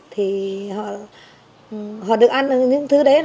thì họ được ăn những thứ đấy